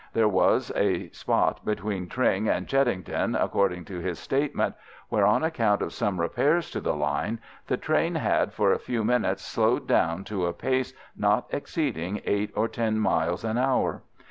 There was a spot between Tring and Cheddington, according to his statement, where, on account of some repairs to the line, the train had for a few minutes slowed down to a pace not exceeding eight or ten miles an hour.